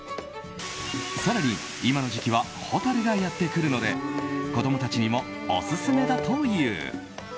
更に今の時期はホタルがやってくるので子供たちにもオススメだという。